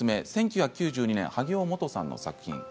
１９９２年萩尾望都さんの作品。